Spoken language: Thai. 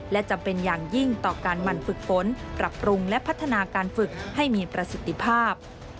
และจำเป็นอย่างยิ่งต่อการหมั่นฝึกฝนปรับปรุงและพัฒนาการฝึกให้มีประสิทธิภาพ